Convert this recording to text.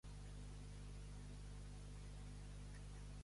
Si amb vent mestral ploure sents, agarra't bé la gorra, que en vindrà més.